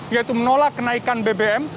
yaitu menolak kenaikan bbm